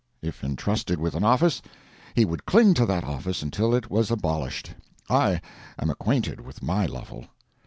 If intrusted with an office, he would cling to that office until it was abolished. I am acquainted with my Lovel.